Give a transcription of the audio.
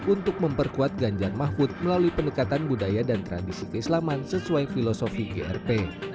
untuk memperkuat ganjar mahfud melalui pendekatan budaya dan tradisi keislaman sesuai filosofi grp